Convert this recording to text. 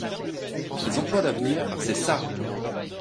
Les emplois d’avenir, c’est ça.